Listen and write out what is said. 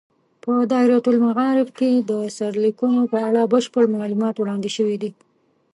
په دایرة المعارف کې د سرلیکونو په اړه بشپړ معلومات وړاندې شوي دي.